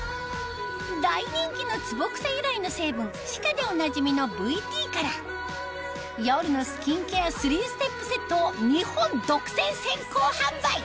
大人気のツボクサ由来の成分ＣＩＣＡでおなじみのＶＴから夜のスキンケア３ステップセットを日本独占先行販売